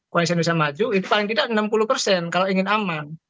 koalisi indonesia maju itu paling tidak enam puluh persen kalau ingin aman